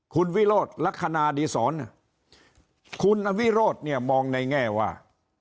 คุณวิโรธลักษณะดีศรคุณอวิโรธเนี่ยมองในแง่ว่า